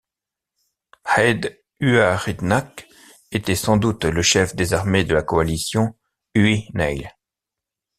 Áed Uaridnach était sans doute le chef des armées de la coalition Uí Néill.